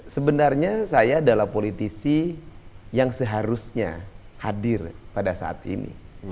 sebenarnya saya adalah politisi yang seharusnya hadir pada saat ini